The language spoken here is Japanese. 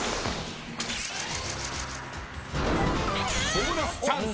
［ボーナスチャンス！］